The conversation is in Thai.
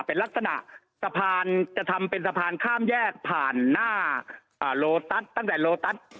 เป็นลักษณะสะพานจะทำเป็นสะพานข้ามแยกผ่านหน้าโลตัสตั้งแต่โลตัส